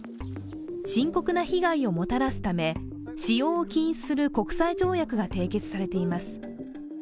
深刻な被害をもたらすため、使用を禁止する国際条約が締結されています。